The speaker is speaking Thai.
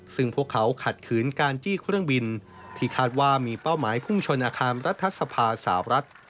ซึ่งพวกเขาขัดขืนการจี้เครื่องบินที่คาดว่ามีเป้าหมายพุ่งชนอาคารรัฐสภาสาวรัฐ